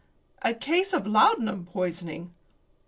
"A case of laudanum poisoning."